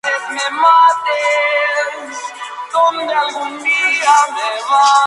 Justiniano logró recuperar Italia, África y el sur de España.